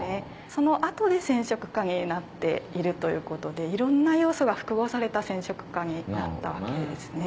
その後で染色家になっているということでいろんな要素が複合された染色家になったわけですね。